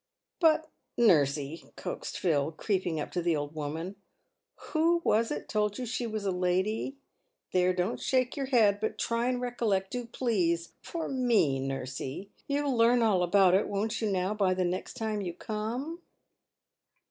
" But, nursey," coaxed Phil, creeping up to the old woman, " who was it told you she was a lady ? There, don't shake your head, but try and recollect — do, please — for me, nursey. You'll learn all about it, won't you, now, by the next time you come